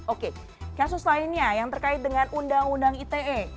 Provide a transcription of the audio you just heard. oke kasus lainnya yang terkait dengan undang undang ite